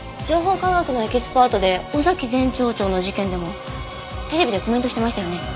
情報科学のエキスパートで尾崎前町長の事件でもテレビでコメントしてましたよね。